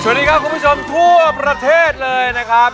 สวัสดีครับคุณผู้ชมทั่วประเทศเลยนะครับ